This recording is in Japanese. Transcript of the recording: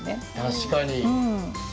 確かに。